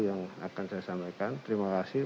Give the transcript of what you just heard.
yang akan saya sampaikan terima kasih